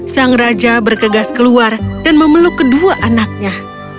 sang raja bergegas keluar dan memeluk kedua anaknya